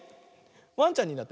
ワンちゃんになった。